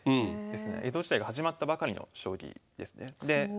江戸時代が始まったばかりの将棋ですね。